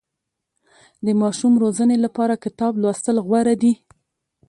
د ماشوم روزنې لپاره کتاب لوستل غوره دي.